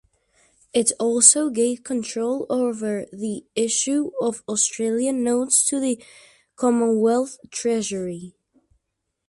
It also gave control over the issue of Australian notes to the Commonwealth Treasury.